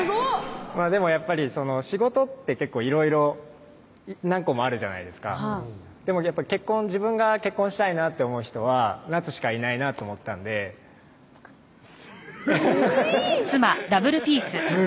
でもやっぱり仕事っていろいろ何個もあるじゃないですかでも自分が結婚したいなって思う人はなつしかいないなと思ったんです